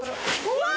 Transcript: うわ！